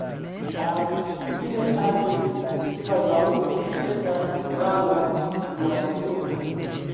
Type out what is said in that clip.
Ĉar li ne agis kvazaŭ ĝi estas stranga situacio.